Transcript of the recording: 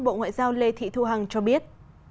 bộ ngoại giao lê thị thu hằng cho biết